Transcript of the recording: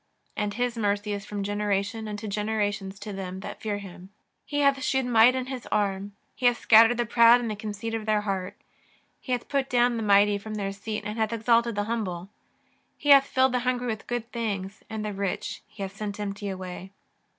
And His mercy is from generation unto generations to them that fear Him. He hath shewed might in His arm; He hath scattered the proud in the conceit of their heart. He hath put down the mighty from their seat and hath exalted the humble. He hath filled the hungry with good things, and the rich He hath sent empty away.